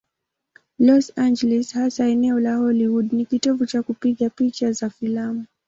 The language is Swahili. Los Angeles, hasa eneo la Hollywood, ni kitovu cha kupiga picha za filamu.